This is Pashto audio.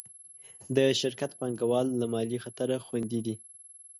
د شرکت پانګهوال له مالي خطره خوندي دي.